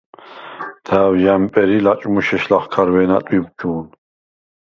და̄̈ვ ჟ’ა̈მპერ ი ლაჭმუშ ეშ ლახქარვე̄ნა ტვიბჩუ̄ნ.